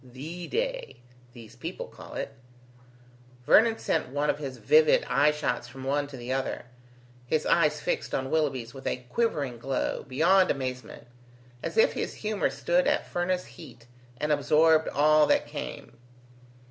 "THE day, these people call it." Vernon sent one of his vivid eyeshots from one to the other. His eyes fixed on Willoughby's with a quivering glow, beyond amazement, as if his humour stood at furnace heat, and absorbed all that came.